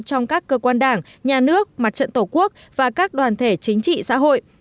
trong các cơ quan đảng nhà nước mặt trận tổ quốc và các đoàn thể chính trị xã hội